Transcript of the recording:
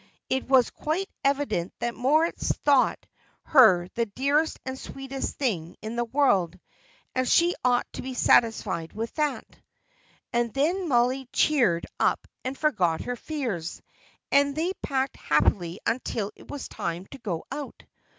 It was quite evident that Moritz thought her the dearest and sweetest thing in the world, and she ought to be satisfied with that. And then Mollie cheered up and forgot her fears, and they packed happily until it was time to go out.